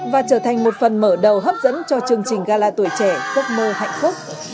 và trở thành một phần mở đầu hấp dẫn cho chương trình gala tuổi trẻ ước mơ hạnh phúc